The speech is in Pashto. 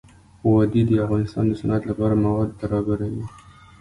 وادي د افغانستان د صنعت لپاره مواد برابروي.